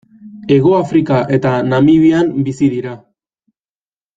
Hegoafrika eta Namibian bizi dira.